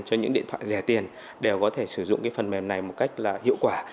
cho những điện thoại rẻ tiền đều có thể sử dụng phần mềm này một cách hiệu quả